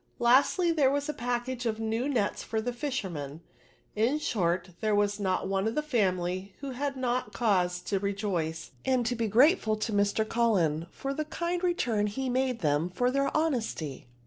Lastly, there was a package of new nets for the fisherman ; in short, there was not one of the family that had not cause to rejoice, and be ^atefal to Mr. CuUen for the kind return he made them for their honesty.